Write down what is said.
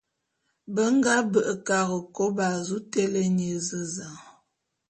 Be nga be'e Karekôba a zu télé nye ézezan.